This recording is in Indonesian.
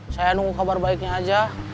saya nunggu kabar baiknya aja